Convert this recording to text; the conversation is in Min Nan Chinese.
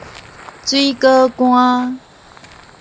水果乾